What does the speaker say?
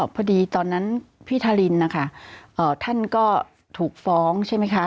พอดีตอนนั้นพี่ทารินนะคะท่านก็ถูกฟ้องใช่ไหมคะ